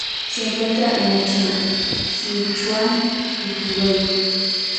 Se encuentra en la China: Sichuan y Hubei.